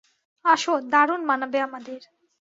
আসো, দারুণ মানাবে আমাদের।